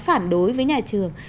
phản đối với nhà trường